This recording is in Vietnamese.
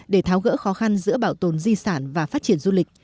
để tháo gỡ khó khăn giữa bảo tồn di sản và phát triển du lịch